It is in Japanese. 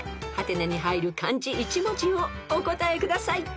［「？」に入る漢字一文字をお答えください］